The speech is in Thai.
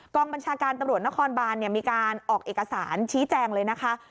บัญชาการตำรวจนครบานมีการออกเอกสารชี้แจงเลยนะคะ